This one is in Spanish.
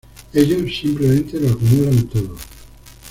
Ellos simplemente lo acumulan todo.